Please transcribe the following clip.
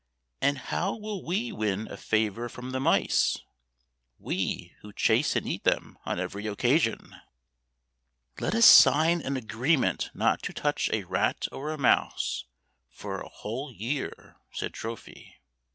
And how will we win a favor from the mice — we, who chase and eat them on every occasion? "" Let us sign an agreement not to touch a rat or a mouse for a whole year," said Trophy.